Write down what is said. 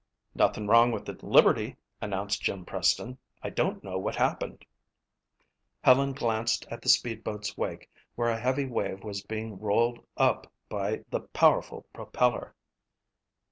"Nothing wrong with the Liberty," announced Jim Preston. "I don't know what happened." Helen glanced at the speedboat's wake where a heavy wave was being rolled up by the powerful propeller.